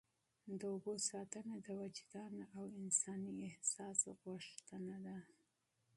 د اوبو ساتنه د وجدان او انساني احساس غوښتنه ده.